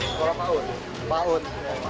sekolah pak un